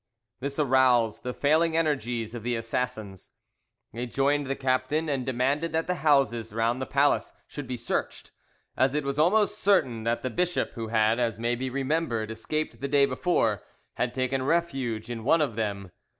This aroused the failing energies of the assassins. They joined the captain, and demanded that the houses round the palace should be searched, as it was almost certain that the bishop, who had, as may be remembered, escaped the day before, had taken refuge in one of them.